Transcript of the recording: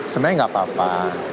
sebenarnya nggak apa apa